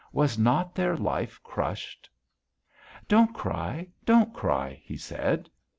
Was not their life crushed? "Don't cry.... Don't cry," he said.